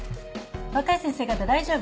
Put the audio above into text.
若い先生方大丈夫？